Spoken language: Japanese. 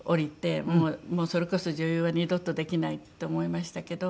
もうそれこそ女優は二度とできないって思いましたけど。